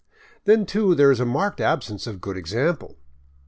Then, too, there is a marked absence of good example.